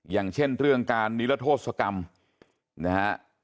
อย่างเช่นเรื่องการนิรโทษกรรมนะฮะ